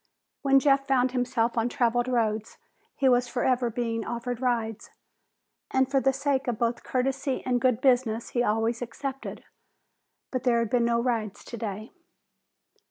When Jeff found himself on traveled roads, he was forever being offered rides, and for the sake of both courtesy and good business he always accepted. But there had been no rides today.